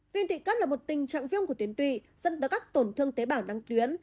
viên tụy cấp là một tình trạng viêm của tiến tụy dẫn tới các tổn thương tế bảo năng tuyến